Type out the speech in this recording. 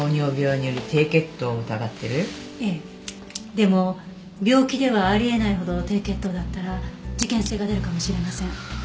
でも病気ではあり得ないほど低血糖だったら事件性が出るかもしれません。